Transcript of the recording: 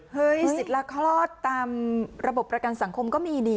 สิทธิ์ละคลอดตามระบบประกันสังคมก็มีนี่